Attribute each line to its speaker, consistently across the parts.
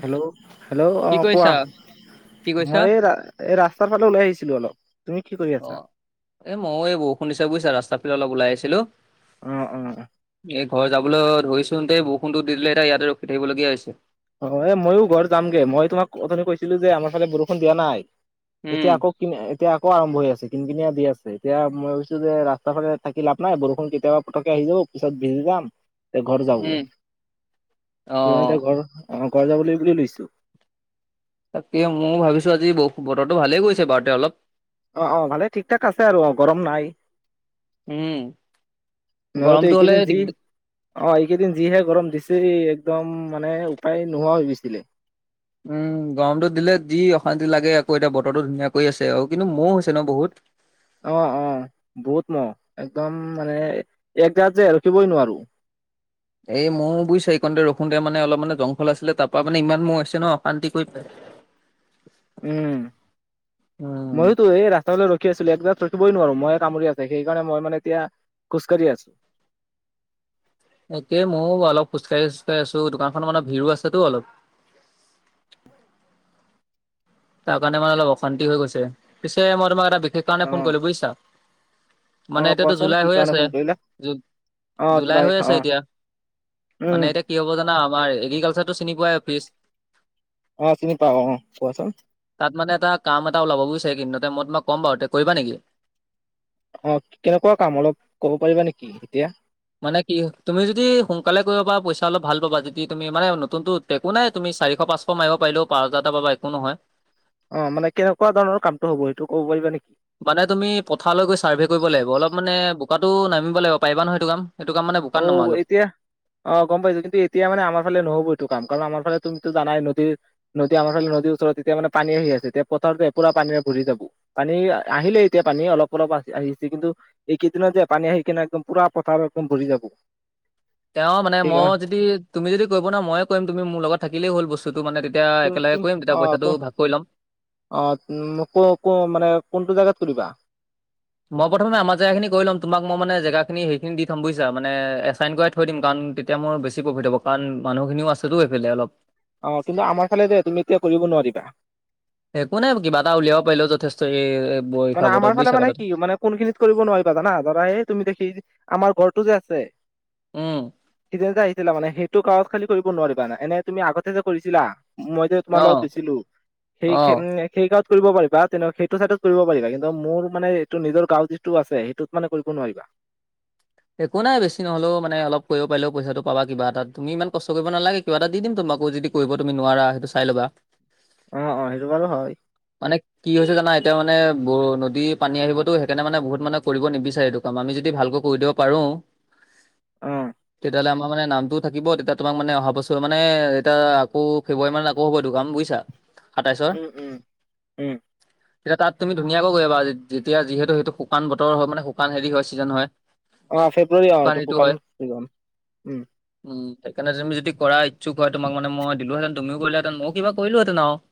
Speaker 1: Hello hello. অ
Speaker 2: কি
Speaker 1: কোৱা?
Speaker 2: কৰিছা কি কৈছা
Speaker 1: মই এই ৰাস্তাৰ ফালে ওলাই আহিছিলো অলপ। তুমি কি কৰি
Speaker 2: অ
Speaker 1: আছা?
Speaker 2: এ ময়ো এ বৰষুণ দিছে বুজিছা? ৰাস্তাফালে অলপ ওলাই আছিলো।
Speaker 1: অ অ।
Speaker 2: এই ঘৰ যাবলে ধৰিছোন তে বৰষুণটো দি দিলে এতিয়া ইয়াতে ৰখি থাকিবলগীয়া হৈছে।
Speaker 1: অ এ ময়ো ঘৰ যামগে। মই তোমাক উথনি কৈছিলো যে আমাৰ ফালে বৰষুণ দিয়া নাই।
Speaker 2: উম
Speaker 1: এতিয়া আকৌ এতিয়া আকৌ আৰম্ভ হৈ আছে। কিন কিনিয়া দি আছে। এতিয়া মই ভাবিছো যে ৰাস্তা ফালে থাকি লাভ নাই। বৰষুণ কেতিয়াবা পটকে আহি যাব পিছত ভেজি যাম। তে ঘৰ যাওঁগে?
Speaker 2: উম অ
Speaker 1: দিনতে ঘৰ অ ঘৰ যাবলে বুলিয়ে লৈছো।
Speaker 2: তাকে মওঁ ভাবিছোঁ আজি ব বতৰটো ভালেই গৈছে বাৰুতে অলপ।
Speaker 1: অ', অ', ভালে ঠিক ঠাক আছে আৰু অ', গৰম নাই।
Speaker 2: উম
Speaker 1: মইওটো
Speaker 2: গৰমটো হ'লে
Speaker 1: এইকিদিন যি
Speaker 2: দিগদাৰ
Speaker 1: অ', এইকেইদিন যিহে গৰম দিছে একদম মানে উপায় নোহোৱা হৈ গিছিলে।
Speaker 2: উম, গৰমতো দিলে যি অশান্তি লাগে আকৌ এতিয়া বতৰটো ধুনীয়া কৰি আছে আও, কিন্তু মহ হৈছে ন বহুত।
Speaker 1: অ', অ', বহুত মহ, একদম মানে [unintelligible] যে ৰখিবই নোৱাৰো।
Speaker 2: এই ময়ো বুইছে, এইকণতে ৰখোতে মানে অলপ মানে জংঘল আছিলে তাপা মানে ইমান মহ আহিছে ন, অশান্তি কৰি [inaudible]
Speaker 1: উম,
Speaker 2: উম
Speaker 1: মইওটো এই ৰা ফালে ৰখি আছিলো, একজেগাত ৰখিবই নোৱাৰো মহে কামুৰি আছে, সেইকাৰনে মই মানে এতিয়া খোজকাঢ়ি আছো।
Speaker 2: একে মইও অলপ খোজকাঢ়ি চোজকাঢ়ি আছো, দোকানখনৰ মানে ভিৰো আছেতো অলপ। তাৰ কাৰণে মানে অলপ অশান্তি হৈ গৈছে, পিছে মই তোমাক এটা বিশেষ কাৰণে
Speaker 1: অ
Speaker 2: ফোন কৰিলো বুইছা।
Speaker 1: অ
Speaker 2: মানে এতিয়াতো
Speaker 1: কোৱাচোন কি
Speaker 2: জুলাই হৈ
Speaker 1: কাৰণে
Speaker 2: আছে,
Speaker 1: ফোন কৰিলা
Speaker 2: জু
Speaker 1: অ
Speaker 2: জুলাই হৈ
Speaker 1: অ
Speaker 2: আছে এতিয়া। মানে
Speaker 1: উম।
Speaker 2: এতিয়া কি হ'ব জানা আমাৰ, এগ্ৰিকালচাৰটো চিনি পোৱাই অফিচ।
Speaker 1: অ', চিনি পাও অ', অ', কোৱাচোন।
Speaker 2: তাত মানে এটা কাম এটা ওলাব বুইছা এইকিদিনতে, মই তোমাক ক'ম বাৰু তে কৰিবা নেকি।
Speaker 1: অ', কেনেকুৱা কাম অলপ ক'ব পাৰিবা নেকি এতিয়া।
Speaker 2: মানে কি তুমি যদি সোনকালে কৰিব পাৰা পইচা অলপ ভাল পাবা, যদি তুমি মানে নতুনটো একো নাই তুমি চাৰিশ পাঁচশ মাৰিব পাৰিলেও পাঁচ হাজাৰটা পাবা একো নহয়।
Speaker 1: অ', মানে কেনেকুৱা ধৰণৰ কামটো হ'ব সেইটো ক'ব পাৰিবা নেকি।
Speaker 2: মানে তুমি পথাৰলৈ গৈ ছাৰ্ভে কৰিব লাগিব, অলপ মানে বোকাটো নামিব লাগিব, পাৰিবা নহয় এইটো কাম। এইটো কাম মানে বোকাত নামা
Speaker 1: অ',
Speaker 2: অলপ।
Speaker 1: এতিয়া অ', গম পাইছো কিন্তু এতিয়া মানে আমাৰ ফালে নহ'ব এইটো কাম, কাৰণ আমাৰ ফালে তুমিটো জানাই নদীৰ নদী আমাৰ ফালে নদীৰ ওচৰত, এতিয়া মানে পানী আহি আছে, এতিয়া পথাৰতে এ পুৰা পানীৰে ভৰি যাব। পানী আহিলে এতিয়া পানী, অলপ- অলপ আহি আছে কিন্তু এইকেইদিনত যে পানী আহি কেনে একদম পুৰা পথাৰত একদম ভৰি যাব।
Speaker 2: তেওঁ মানে মই
Speaker 1: সেইকাৰণে
Speaker 2: যদি তুমি যদি কৰিব নোৱাৰা ময়ে কৰিম তুমি মোৰ লগত থাকিলেই হ'ল বস্তুটো মানে তেতিয়া একেলগে কৰিম,
Speaker 1: অ
Speaker 2: তেতিয়া
Speaker 1: ত
Speaker 2: পইচাটো ভাগ কৰি ল'ম।
Speaker 1: অ', উম, ক-ক মানে কোনটো জাগাত তুলিবা?
Speaker 2: মই প্ৰথমে আমাৰ জেগা খিনি কৰি ল'ম। তোমাক মই মানে জেগাখিনি সেইখিনি দি থম বুজিছা? মানে এছাইন কৰাই থৈ দিম কাৰণ তেতিয়া মোৰ বেছি প্ৰফিট হ'ব কাৰণ মানুহখিনিও আছেতো এইফালে অলপ।
Speaker 1: অ', কিন্তু আমাৰ ফালে যে তুমি এতিয়া কৰিব নোৱাৰিবা।
Speaker 2: একো নাই কিবা এটা উলিয়াব পাৰিলেও যথেষ্ট। এ
Speaker 1: মানে
Speaker 2: বাৰিষা
Speaker 1: আমাৰ
Speaker 2: বতৰত
Speaker 1: ফালে
Speaker 2: বুজিছা
Speaker 1: মানে
Speaker 2: কথাটো?
Speaker 1: কি মানে কোনখিনিত কৰিব নোৱাৰিবা জানা? ধৰা এই তুমি দেখি আমাৰ ঘৰটো যে আছে?
Speaker 2: উম।
Speaker 1: হিতেশ দা আহিছিলে মানে সেই তো গাঁৱত খালি কৰিব নোৱাৰিবা না। এনে তুমি আগতে যে কৰিছিলা? মই যে তোমাৰ লগত
Speaker 2: অ',
Speaker 1: দিছিলোঁ, সেই খে
Speaker 2: অ'।
Speaker 1: সেই গাওঁত কৰিব পাৰিবা। তেনেও সেইটো চাইডত কৰিব পাৰিবা। কিন্তু মোৰ মানে এইটো নিজৰ গাঁও যিটো আছে সেইটোত মানে কৰিব নোৱাৰিবা।
Speaker 2: একো নাই বেছি নহ'লেও মানে অলপ কৰিব পাৰিলেও পইচাটো পাবা কিবা এটা। তুমি ইমান কষ্ট কৰিব নালাগে কিবা এটা দি দিম তোমাকো যদি কৰিব তুমি নোৱাৰা সেইটো চাই ল'বা।
Speaker 1: অ', অ', সেইটো বাৰু হয়।
Speaker 2: মানে কি হৈছে জানা, এতিয়া মানে ব নদী পানী আহিবতো সেইকাৰণে মানে বহুত মানুহে কৰিব নিবিচাৰে এইটো কাম, আমি যদি ভালকৈ কৰি দিয়ক পাৰোঁ,
Speaker 1: অ
Speaker 2: তেতিয়াহলে আমাৰ মানে নামটোত থাকিব, তেতিয়া তোমাক মানে অহা বছৰ মানে এতিয়া আকৌ ফেব্ৰুৱাৰী মানত আকৌ হ'ব এইটো কাম বুইছা? সাতাইছৰ।
Speaker 1: উম উম উম
Speaker 2: তেতিয়া তাত তুমি ধুনীয়াকৈ কৰিব পাৰা, যেতিয়া যিহেতু সেইটো শুকান বতৰ হয় মানে শুকান হেৰি হয় ছিজেন হয়।
Speaker 1: অ', ফেব্ৰুৱাৰী অ', এইটো
Speaker 2: ঋতু হয়
Speaker 1: শুকান ছিজন, উম।
Speaker 2: উম, সেইকাৰনে তুমি যদি কৰা ইচ্ছুক হয় তোমাক মানে মই দিলোহেতেন তুমিওঁ কৰিলাহেতেন মইওঁ কিবা কৰিলোহেঁতেন আওঁ। [inaudible]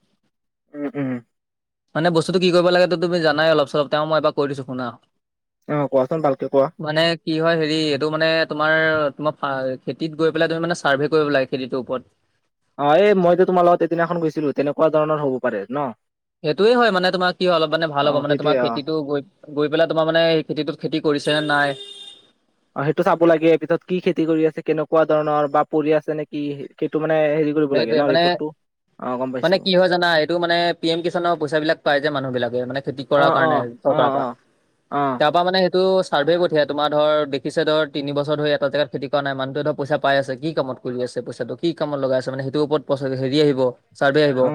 Speaker 1: উম-উম
Speaker 2: মানে বস্তুটো কি কৰিব লাগে টো তুমি জানাই অলপ - চলপ তেওঁ মই এবাৰ কৈ দিছো শুনা
Speaker 1: অহ, কোৱাচোন ভালকে কোৱা?
Speaker 2: মানে কি হয় হেৰি এইটো মানে তোমাৰ-তোমাৰ [unintelligible] খেতিত গৈ পেলাই তুমি মানে চাৰভে কৰিব লাগে খেতিতোৰ ওপৰত।
Speaker 1: অ, এই মইযে তোমাৰ লগত এদিনাখন গৈছিলো তেনেকুৱা ধৰণৰ হ'ব পাৰে ন?
Speaker 2: সেইটোৱে হয় মানে তোমাৰ কি হয় অলপ মানে
Speaker 1: অ
Speaker 2: ভাল হ'ব
Speaker 1: সেইটোয়ে
Speaker 2: তোমাৰ
Speaker 1: অ
Speaker 2: খেতিটো গৈ গৈ পেলাই তোমাৰ মানে এই খেতিটোত খেতি কৰিছে নে নাই
Speaker 1: অ, সেইটো চাব লাগে পিছত কি খেতি কৰি আছে কেনেকুৱা ধৰণৰ বা পৰি আছে নে কি সেইটো মানে হেৰি দিব লাগে
Speaker 2: সেইটোয়ে
Speaker 1: ন'
Speaker 2: মানে
Speaker 1: ৰিপৰ্টটো অহ, গম পাই
Speaker 2: মানে কি হয় জানা এইটো মানে পি এম কিষাণৰ পইচা বিলাক পাই যে মানুহ বিলাকে মানে খেতি
Speaker 1: অ
Speaker 2: কৰাৰ
Speaker 1: অ
Speaker 2: কাৰণে
Speaker 1: অ
Speaker 2: চৰকাৰৰ
Speaker 1: অ
Speaker 2: পা
Speaker 1: অ
Speaker 2: তাৰপা মানে সেইটো চাৰভে পঠিয়াই তোমাৰ ধৰ দেখিছে ধৰ তিন বছৰ ধৰি এটা জেগাত খেতি কৰা নাই মানুহটোৱে ধৰ পইচা পাই আছে কি কামত কৰি আছে পইচাটো কি কামত লগাইছে তাৰমানে সেইটোৰ ওপৰত পচেচ হেৰি আহিব চাৰ্ভে আহিব
Speaker 1: অ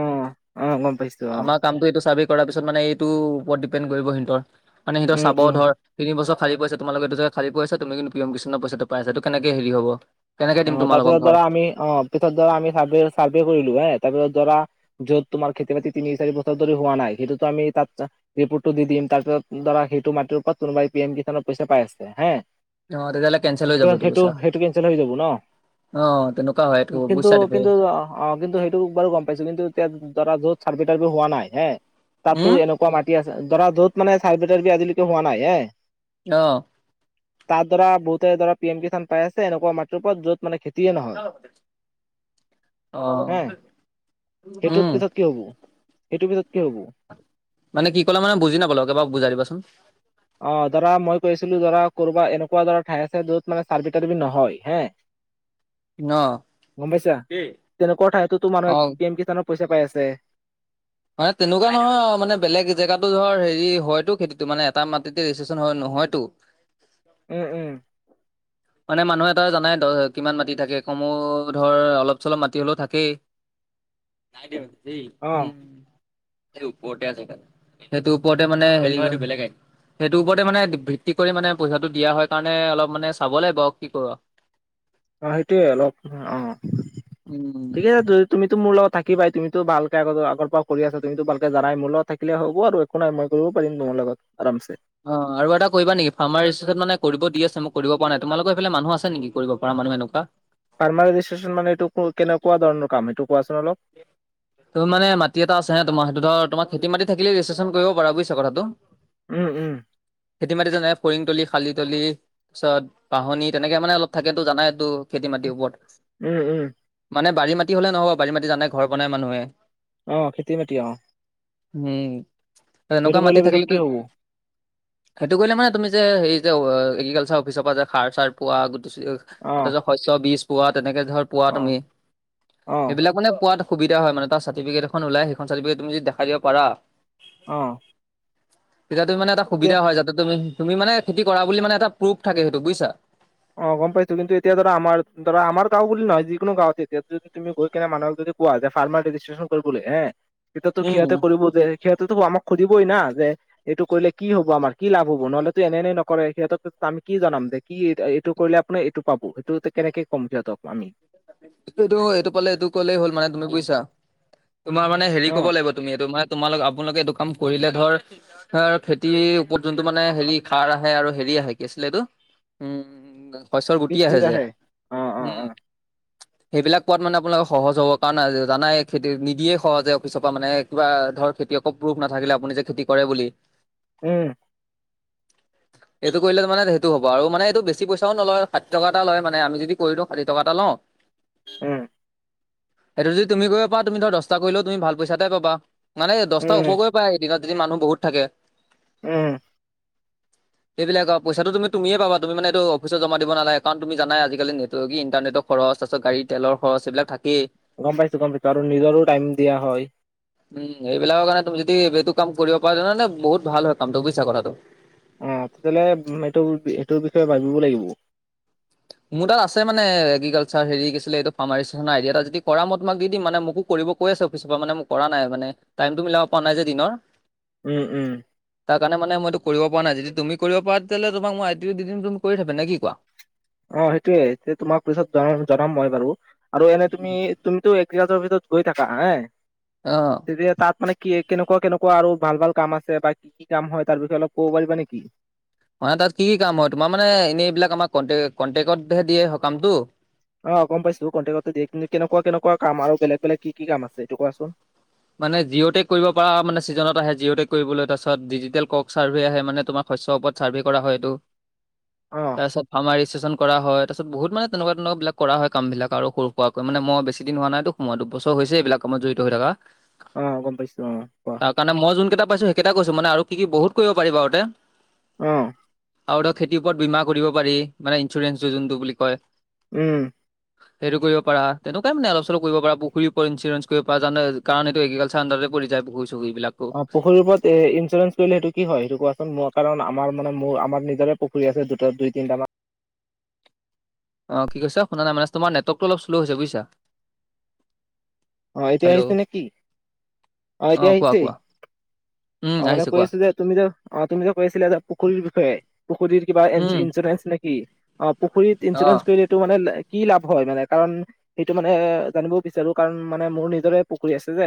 Speaker 1: অ গম পাইছো অ
Speaker 2: আমাক কামটো এইটো চাৰ্ভে কৰাৰ পিছত মানে এইটো ওপৰত ডিপেণ্ড কৰিব হিন্তৰ মানে সিহঁতে
Speaker 1: উম
Speaker 2: চাব
Speaker 1: উম
Speaker 2: ধৰ তিনি বছৰ খালি পৰি আছে তোমালোকৰ এইটি জেগা খালি পৰি আছে তুমি কিন্তু পি এম কৃষাণৰ পইচাটো পাই আছে এই কেনেকে হেৰি হ'ব। কেনেকে
Speaker 1: অ,
Speaker 2: দিম
Speaker 1: তাৰ
Speaker 2: তোমালোকক
Speaker 1: পিছত
Speaker 2: ধৰ
Speaker 1: ধৰা আমি অ, পিছত ধৰা আমি চাৰ্ভে-চাৰ্ভে কৰিলো এ তাৰপিছত ধৰা য'ত তোমাৰ খেতি -বাতি তিনি, চাৰি বছৰ ধৰি হোৱা নাই সেইটোটো আমি তাত যাই ৰিপৰ্টটো দি দিম তাৰপিছত ধৰা সেইটো মাটিৰ ওপৰত কোনোবাই পি এম কৃষানৰ পইচা পাই আছে হে
Speaker 2: অ, তেতিয়াহ'লে কেনচেল হৈ
Speaker 1: ত
Speaker 2: যাব এইটো
Speaker 1: সেইটো
Speaker 2: পইচা
Speaker 1: সেইটো কেনচেল হৈ যাব ন
Speaker 2: অ, তেনেকুৱা হয় এইটো
Speaker 1: কিন্তু কিন্তু
Speaker 2: [unintelligible]
Speaker 1: অ', অ', কিন্তু সেইটো বাৰু গম পাইছো কিন্তু এতিয়া ধৰা য'ত চাৰ্ভে -তাৰ্ভে হোৱা নাই এ তাততো
Speaker 2: উম
Speaker 1: এনে কোৱা মাতি আছে ধৰা য'ত মানে চাৰ্ভে - তাৰ্ভে আজিলৈকে হোৱা নাই এ
Speaker 2: অ',
Speaker 1: তাত ধৰা বহুতে ধৰা পি এম কি কিচান পাই আছে এনেকুৱা মাটিৰ ওপৰত য'ত মানে খেতি
Speaker 2: [unintelligible] অ
Speaker 1: হে সেইটোত
Speaker 2: উম
Speaker 1: পিছত কি হ'ব সেইটোৰ পিছত কি হ'ব?
Speaker 2: মানে কি ক'লা মানে বুজি নাপালো আকৌ এবাৰ বুজাই দিবাচোন।
Speaker 1: অ, ধৰা মই কৈ আছিলোঁ ধৰা কৰবা এনেকুৱা ধৰা ঠাই আছে য'ত মানে চাৰ্ভে-টাৰ্ভে নহয় এ
Speaker 2: [inaudible]
Speaker 1: গম পাইছা তেনেকুৱা ঠাইতোতো
Speaker 2: অ
Speaker 1: মানুহে পি এম কিষানৰ পইচা পাই আছে।
Speaker 2: মানে তেনেকুৱা নহয় আৰু মানে বেলেগ জেগাটো ধৰ হেৰি হয়তো খেতিটো মানে এটা মাটিতে ৰেষ্টেচন হয় নহয়তো।
Speaker 1: হয়-হয়।
Speaker 2: মানে মানুহে এটা জনাই দ কিমান মাটি থাকে কমোও ধৰ অলপ -চলপ মাটি হ'লেও থাকেই। নাই দিয়ক দেই
Speaker 1: অ
Speaker 2: উম, এই উপৰতে আছে পাই। সেইটো ওপৰতে মানে হেৰি হোৱাটো বেলেগ আই সেইটো ওপৰতে মানে ভিত্তি কৰি মানে পইচাটো দিয়া হয় কাৰণে অলপ মানে চাব লাগিব আও কি কৰো আও।
Speaker 1: অ, সেইটোয়ে অলপ অহ,
Speaker 2: উম।
Speaker 1: ঠিকে [unintelligible] তুমিতো মোৰ লগত থাকিবাই তুমিটো ভালকে আগত আগৰ পৰা কৰি আছা তুমিতো ভালকে জানাই মোৰ লগত থাকিলে হ'ব আৰু একো নাই মই কৰিব পাৰিম তোমাৰ লগত আৰামছে।
Speaker 2: অ, আৰু এটা কৰিবা নেকি ফাৰ্মাৰ ৰেচিছেচত মানে কৰিব দি আছে মোক কৰিব পৰা নাই তোমালোকৰ এইফালে মানুহ আছে নেকি কৰিব পৰা মানুহ এনেকুৱা?
Speaker 1: ফাৰ্মা ৰেজিষ্ট্ৰেচন মানে এইটো কৰ কেনেকুৱা ধৰণৰ কাম এইটো কোৱাচোন অলপ?
Speaker 2: তুম মানে মাটি এটা আছে হে [unintelligible] সেইটো ধৰ তোমাৰ খেতি মতি থাকিলে ৰেজিষ্টেচন কৰিব পাৰা বুইছা কথাটো।
Speaker 1: উম-উম
Speaker 2: খেতি মাটি যেনে ফৰিং তলী, শালী তলী পিছত বাহনি তেনেকে মানে অলপ থাকেটো জানাইতো? খেতি-মাটিৰ
Speaker 1: উম উম
Speaker 2: ওপৰত মানে বাৰী-মাটি হ'লে নহ'ব বাৰী-মাটি জানাই ঘৰ বনাই মানুহে।
Speaker 1: অ, খেতি-মাতি অ।
Speaker 2: হম,
Speaker 1: সেইটো
Speaker 2: তেনেকুৱা
Speaker 1: কৰিলে
Speaker 2: মাটি
Speaker 1: পিছত কি
Speaker 2: থাকিলেটো
Speaker 1: হব
Speaker 2: সেইটো কৰিলে মানে তুমি যে হেৰি যে এগ্ৰিকালচাৰ অফিচৰ পৰা যে সাৰ চাৰ পোৱা গুটি চুটি
Speaker 1: অ
Speaker 2: এইটো শস্য বীজ পোৱা তেনেকে ধৰ পোৱা
Speaker 1: অ
Speaker 2: তুমি
Speaker 1: অ
Speaker 2: সেইবিলাক মানে পোৱা সুবিধা হয় মান তাৰ চাৰ্টিফিকেট এখন ওলাই সেইখন চাৰ্টিফিকেট তুমি দেখাই দিব পাৰা
Speaker 1: অ
Speaker 2: তেতিয়াতো মানে এটা
Speaker 1: এতিয়া
Speaker 2: সুবিধা হয় যাতে তুমি তুমি মানে খেতি কৰা বুলি মানে এটা প্ৰুফ থাকে সেইটো বুইছা
Speaker 1: অ গম পাইছো কিন্তু এতিয়া ধৰা আমাৰ ধৰা আমাৰ গাওঁ বুলি নহয় যিকোনো গাৱতে তেতিয়া যদি তুমি গৈ কিনে মানুহক যদি কোৱা যে ফাৰ্মাৰ ৰেজিষ্ট্ৰেশ্যন কৰিবলৈ হে তেতিয়া তো সিহঁতে
Speaker 2: উম।
Speaker 1: কৰিব দে সিহঁতেতো আমাক সুধিবই না যে এইটো কৰিলে কি হব আমাৰ কি লাভ হব নহ'লেতো এনে এনেই নকৰে সিহঁতক টো আমি কি জনাম দে কি এইট এইটো কৰিলে আপুনি এইটো পাব সেইটো কেনেকে কম সিহঁতক আমি
Speaker 2: এইটো এইটো পালে এইটো কলেই হ'ল মানে তুমি বুইছা তোমাৰ মানে হেৰি
Speaker 1: অ
Speaker 2: কব লাগিব তুমি এইটো মানে তোমাল আপোনালোকে এইটো কাম কৰিলে ধৰ হয় আৰু খেতিৰ ওপৰত যোনটো মানে হেৰি সাৰ আহে আৰু হেৰি আহে কি আছিলে এইটো উম শস্যৰ গুটি আহে যে
Speaker 1: অ অ
Speaker 2: উম
Speaker 1: অ
Speaker 2: সেইবিলাক কোৱাত মানে আপোনালোকে সহজ হ'ব কাৰণ জানাই খেতি নিদিয়ে সহজে অফিচৰ পৰা মানে কিবা ধৰ খেতি অকৌ প্ৰুফ নাথাকিলে আপুনি যে খেতি কৰে বুলি
Speaker 1: উম
Speaker 2: [inaudible] এইটো কৰিলে মানে সেইটো হ'ব আৰু মানে এই বেছি পইচাও নলয় ষাঠি টকা এটা লয় মানে আমি যদি কৰি দিওঁ ষাঠি টকা তালও
Speaker 1: উম
Speaker 2: সেইটো যদি তুমি কৰিব পা তুমি ধৰ দহটা কৰিলেও তুমি ভাল পইচা এতাই পাবা মানে দহটা
Speaker 1: উম
Speaker 2: উপ গৈ পাই এদিনত যদি মানুহ বহুত থাকে
Speaker 1: উম
Speaker 2: [inaudible] সেইবিলাক আ পইচাটো তুমি তুমিয়ে পাবা তুমি মানে এইটো অফিচত জমা দিব নালাগে কাৰণ তুমি জানাই আজি কালি নেটৰ কি ইণ্টাৰনেট খৰচ তাৰপাছত গাড়ী তেলৰ খৰচ এইবিলাক থাকেই
Speaker 1: গম পাইছো গম পাইছো আৰু নিজৰো টাইম দিয়া হয়
Speaker 2: উম এইবিলাকৰ কাৰণে তুমি যদি এইটো কাম কৰিব পাৰা জানানে বহুত ভাল হয় কামটো বুইছা কথাটো
Speaker 1: অ তেতিয়াহ'লে এইটো এইটোৰ বিষয়ে ভাবিব লাগিব
Speaker 2: মোৰ তাত আছে মানে এগ্ৰিকালচাৰ হেৰিছিল এইটো ফাৰ্মাৰ ৰেজিতেচন আডি যদি কৰা মই তোমাক দি দিম মানে মোকো কৰিব কৈ আছে অফিচৰ পৰা মানে মোক কৰা নাই মানে টাইমটো মিলাব পৰা নাই যে দিনৰ
Speaker 1: উম উম
Speaker 2: তাৰ কাৰণে মানে মই ইটো কৰিব পৰা নাই যদি তুমি কৰিব পৰা তেতিয়াহলে তোমাক মই আইদিটো দিম তুমি কৰি থাবা নে কি কোৱা?
Speaker 1: অ সেইটোয়ে তে তোমাক পিছত জন জনাম মই বাৰু আৰু এনে তুমি তুমিতো এগ্ৰিকালচাৰৰ অফিচত গৈ থাকা আয়ে
Speaker 2: অ
Speaker 1: তাত মানে কি কেনেকুৱা কেনেকুৱা আৰু ভাল ভাল কাম আছে বা কি কি কাম হয় তাৰ বিষয়ে অলপ ক'ব পাৰিবা নেকি
Speaker 2: মানে তাত কি কি কাম হয় তোমাৰ মানে এনেই এইবিলাক আমাক কণ্টে কণ্টেকতহে দিয়ে সকামটো
Speaker 1: অ গম পাইছো কণ্টেকট দিয়ে কিন্তু কেনেকুৱা কেনেকুৱা কাম আৰু বেলেগ বেলেগ কি কি কাম আছে এইটো কোৱাচোন
Speaker 2: মানে জিঅ'টেক কৰিব পৰা মানে ছিজনত আহে জিঅ'টেক কৰিবলৈ তাৰপাছত ডিজিটেল কক চাৰ্ভে আহে মানে তোমাক শস্যৰ ওপৰত ছাৰ্ভে কৰা হয় এইটো
Speaker 1: অ
Speaker 2: তাৰপিছত ফাৰ্মাৰ ৰেজিষ্ট্ৰেশ্যন কৰা হয় তাৰ পাছত বহুত মানে তেনেকোৱা তেনেকোৱা বিলাক কৰা হয় কামবিলাক আৰু সৰু সুৱাকৈ মানে মই বেছি দিন হোৱা নাইটো মই দুবছৰ হৈছে এইবিলাক কামত জড়িত হৈ থাকা
Speaker 1: অ গম পাইছো অ ক
Speaker 2: তাৰ কাৰণ মই যোনকেইটা পাইছো সেইকেইটা কৈছো মানে কি কি বহুত কৰিব পাৰিব আৰু তে
Speaker 1: অ
Speaker 2: আৰু এটা খেতিৰ ওপৰত বীমা কৰিব পাৰি মানে ইঞ্চুৰেঞ্চটো যোনটো বুলি কয়
Speaker 1: উম
Speaker 2: সেইটো কৰিব পাৰা তেনেকুৱাই মানে অলপ চলপ কৰিব পাৰা পুখুৰী ওপৰত ইঞ্চুৰেঞ্চ কৰিব পাৰা য জানে কাৰণ এইটো এগ্ৰিকালচাৰ আণ্ডাৰতে পৰি যাই পুখুৰী চুখুৰি এই বিলাক
Speaker 1: অ পুখুৰী ওপৰত তে ইঞ্চুৰেঞ্চ কৰিলে সেইটো কি হয় সেইটো কোৱাচোন মোৰ কাৰণ আমাৰ মানে মোৰ আমাৰ নিজৰে পুখুৰী আছে দুটা দুই তিনিটা মান
Speaker 2: অ কি কৈছা শুনা নাই মানেছ তোমাৰ নেৱৰ্কটো অলপ শ্লো হৈছে বুজিছা।
Speaker 1: অ এতিয়া
Speaker 2: হেল্ল'
Speaker 1: আহিছে নে কি? অ এতিয়া
Speaker 2: কোৱা
Speaker 1: আহিছে?
Speaker 2: কোৱা উম
Speaker 1: অ মানে
Speaker 2: আহিছে
Speaker 1: কৈ
Speaker 2: কোৱা
Speaker 1: আছো যে তুমি যে অ তুমি যে কৈ আছিলা এ পুখুৰীৰ বিষয়ে পুখুৰীত কিবা
Speaker 2: উম
Speaker 1: ইঞ্চুৰেঞ্চ নেকি অ পুখুৰীত ইঞ্চুৰেঞ্চ
Speaker 2: অ'।
Speaker 1: কৰিলে টো মানে লে কি লাভ হয় মানে কাৰণ সেইটো মানে জানিব বিচাৰো কাৰণ মানে মোৰ নিজৰে পুখুৰী আছে যে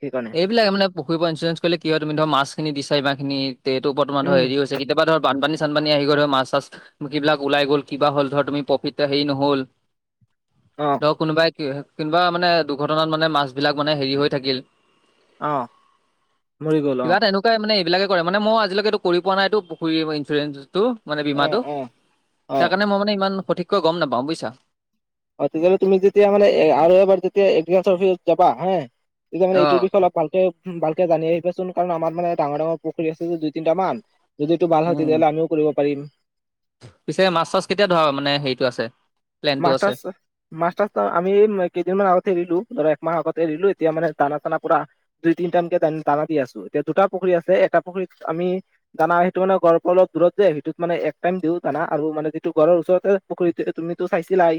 Speaker 1: সেইকাৰণ
Speaker 2: এইবিলাক মানে পুুৰী ইঞ্চুৰেঞ্চ কৰিলে কি হয় তুমি ধৰ মাছখিনি দিছাৰিবাখিনি তে এইটো বৰ্তমান ধৰ
Speaker 1: উম
Speaker 2: হেৰি হৈছ- কেতিয়াবা ধৰ বান চানপানী আহি গ ধ মাছ চাছ সেইবিলাক ওলাই গ'ল কিবা হ'ল ধৰ তুমি প্ৰফিতা সেই নহল
Speaker 1: অ।
Speaker 2: ধৰক কোনোবাই কোনোবা মানে দুৰ্ঘটনাত মানে মাছ বিলাক মানে হেৰি হৈ থাকিল।
Speaker 1: অ। মৰি গ'ল অ
Speaker 2: কিবা তেনেকুৱাই মানে এইবিলাকে কৰে মানে মই আজিলৈকেটো কৰি পোৱা নাইতো পুখুৰী ইঞ্চুৰেঞ্চটো। মানে
Speaker 1: অ
Speaker 2: বীমাটো,
Speaker 1: অ অ
Speaker 2: তাৰ কাৰণে মই মানে ইমান সঠিককৈ গম নাপাওঁ বুইছা।
Speaker 1: অ তেতিয়াহ'লে তুমি যেতিয়া মানে আৰু এবাৰ যেতিয়া এগ্ৰিকালচাৰ অফিচত যাবা হে তেতিয়া মানে এইটোৰ
Speaker 2: অ'।
Speaker 1: বিষয়ে অলপ ভালকে উ ভালকে জানি আহিবচোন কাৰণ আমাৰ মানে ডাঙৰ ডাঙৰ পুখুৰী আছে যে দুই তিনিটা মান যদি এইটো ভাল হয়
Speaker 2: উম,
Speaker 1: তেতিয়াহ'লে আমিও কৰিব পাৰিম।
Speaker 2: পিছে মাছ চাছ কেতিয়া ধৰা মানে হেৰিটো আছে। প্লেনটো
Speaker 1: মাছ
Speaker 2: আছে?
Speaker 1: টাছ মাছ টাছ আমি কেইদিনমান আগতে এৰিলো ধৰ একমাহ আগতে এৰিলো এতিয়া মানে দানা চানা পুৰা দুই তিন টানকে দানা দি আছোঁ এতিয়া দুটা পুখুৰী আছে এটা পুখুৰীত আমি দানা সেইটো মানে গৰ পৰা অলপ দূৰত যে সেইটোত মানে এক টাইম দিওঁ দানা আৰু মানে যিটো গৰৰ ওচৰতে পুখুৰীটো তুমি টো চাইছিলাই।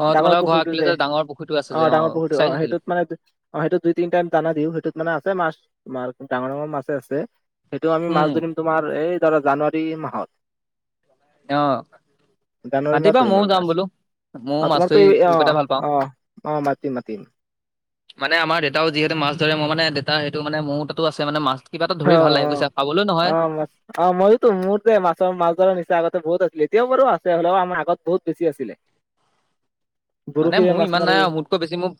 Speaker 2: অ',
Speaker 1: ডাঙৰ
Speaker 2: তোমালোকৰ ঘৰ
Speaker 1: পুখুৰীটো
Speaker 2: আগফালে
Speaker 1: যে
Speaker 2: ডাঙৰ পুখুৰীটো আছে যে
Speaker 1: অ ডাঙৰ পুখুৰীটো অ
Speaker 2: চাইছিলোঁ
Speaker 1: সেইটোত মানে অ সেইটো দুই তিনি টাইম জানা দিও সেইটোত মানে আছে মাছ তোমাৰ ডাঙৰ ডাঙৰ মাছে আছে। সেইটো আমি মাছ
Speaker 2: উম,
Speaker 1: ধৰিম তোমাৰ এই ধৰা জানুৱাৰী মাহত।
Speaker 2: অ
Speaker 1: জানুৱাৰী মাহত
Speaker 2: মাতিবা।
Speaker 1: ধৰিম
Speaker 2: মও
Speaker 1: আমি
Speaker 2: যাম
Speaker 1: মাছ
Speaker 2: বোলো মও
Speaker 1: অ
Speaker 2: মাছ
Speaker 1: তোমাৰতো
Speaker 2: ধৰি
Speaker 1: এই অ
Speaker 2: খোক এটা ভাল পাওঁ।
Speaker 1: অ অ মাতিম মাতিম
Speaker 2: মানে আমাৰ দেউতা যিহেতু মাছ ধৰে মও মানে দেউতা সেইটো মানে মোৰ তাতো আছে মানে মাছ কিবা এটা
Speaker 1: অ
Speaker 2: ধৰি ভাল
Speaker 1: অ
Speaker 2: লাগে বুইছা পাবলৈ
Speaker 1: অ
Speaker 2: নহয়।
Speaker 1: মাছ অ, মইওতো মোৰ যে মাছ মাছ ধৰ নিচা আগতে বহুত আছিলে এতিয়াও বাৰু আছে হলেও আমাৰ আগত বহুত বেছি আছিলে।
Speaker 2: মানে
Speaker 1: বৰশীৰে
Speaker 2: মোৰ
Speaker 1: মাছ
Speaker 2: ইমান
Speaker 1: মাৰো
Speaker 2: নাই আৰু মোতকৈ বেছি মোৰ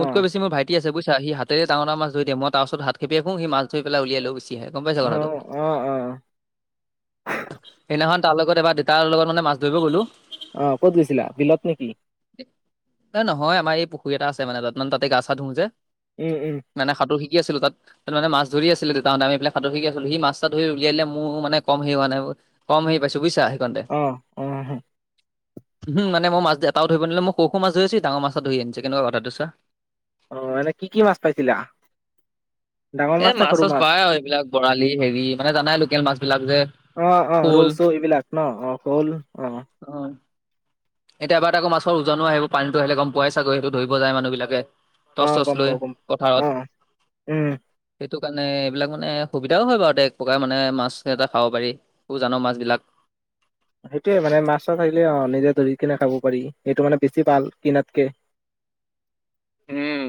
Speaker 1: অ
Speaker 2: বেছি মোৰ ভাইট- টি আছে বুইছা সি হাতেৰে ডাঙৰ ডাঙৰ মাছ ধৰি দিয়ে, মই তাৰ ওচত হাত খেপিয়াই ফু সি হাতেৰে মাছ ধৰি উলিয়াই লৈ গুচ- টি হে গম পাইছা
Speaker 1: অ
Speaker 2: কথাটো।
Speaker 1: অ অ
Speaker 2: সেদিনাখন তাৰ লগত এবাৰ দেউতাৰ লগত মানে মাছ ধৰিব গ'লো।
Speaker 1: অ ক'ত গৈছিলা' বিলত নেকি?
Speaker 2: এ নহয় আমাৰ এই পুখুৰী এটা আছে মানে তাত মানে তাতে গা চা ধু যে।
Speaker 1: উম উম।
Speaker 2: মানে সাতোৰ শিকি আছিলো তাত। তাত মানে মাছ ধৰি আছিলে দেউতাহঁতে আমি সেইফালে সাঁতোৰ শিকি আছিলো, সি মাছটা ধৰি উলিয়াই মোৰ মানে কম সেই হোৱা নাই। কম হেৰি পাইছো বুইছা সেইকণতে,
Speaker 1: অ অ
Speaker 2: হুম মানে মই মাজ দেয়াত টাও ধৰিব নিদিলে মই সৰু সৰু মাছ ধৰিছি ডাঙৰ মাছ ধৰি আনিছে কেনেকুৱা কথাটো চোৱা।
Speaker 1: অ এনে কি কি মাছ পাইছিলা? ডাঙৰ
Speaker 2: এ
Speaker 1: নে
Speaker 2: মাছ
Speaker 1: সৰু
Speaker 2: চাছ পাই আৰু এইবিলাক বৰালি হেৰি মানে জানাই লোকেল মাছ বিলাক যে।
Speaker 1: অ অ ৰৌ
Speaker 2: শ'ল
Speaker 1: চৌ এইবিলাক ন অ শল অ।
Speaker 2: অ। এতিয়া বাট আকৌ মাছৰ ওজনো আহিব পানীটো আহিলে গম পোৱাই চাগৈ সেইটো ধৰি যায় মানুহ বিলাকে।
Speaker 1: অ
Speaker 2: টচ টচ
Speaker 1: গম
Speaker 2: লৈ
Speaker 1: পাও গম
Speaker 2: পথাৰত।
Speaker 1: পাওঁ। অ উম,
Speaker 2: এইটো কাৰণে এইবিলাক মানে সুবিধাও হয় বাৰু এক প্ৰকাৰ মানে মাছ এটা খাব পাৰি। [unintelligible] জান মাছ বিলাক।
Speaker 1: সেইটোয়ে মানে মাছ- চাচ আহিলে অ, নিজে ধৰি কিনে খাব পাৰি সেইটো মানে বেছি ভাল কিনাতকে।
Speaker 2: উম,